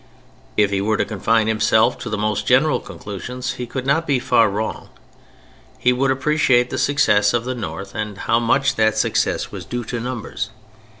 If he were to confine himself to the most general conclusions he could not be far wrong. He would appreciate the success of the North and how much that success was due to numbers.